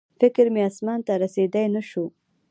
فکر مې اسمان ته رسېدی نه شو